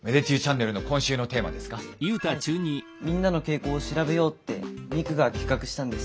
みんなの傾向を調べようってミクが企画したんです。